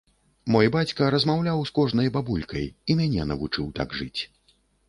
Мой бацька размаўляў з кожнай бабулькай, і мяне навучыў так жыць.